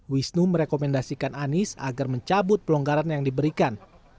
wisnu merekomendasikan anies agar mencabut pelonggaran yang diberikan